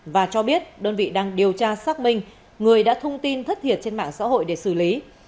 và cho biết đơn vị đang điều tra xác minh người đã thông tin thất thiệt trên mạng xã hội để xử lý